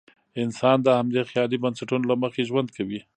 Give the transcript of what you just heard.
انسان د همدې خیالي بنسټونو له مخې ژوند کوي.